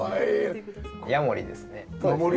ヤモリですね。